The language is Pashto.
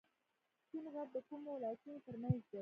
سپین غر د کومو ولایتونو ترمنځ دی؟